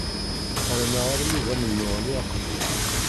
Rran-aɣ armi d amennuɣ-nni aqdim.